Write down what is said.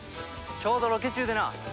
ちょうどロケ中でな。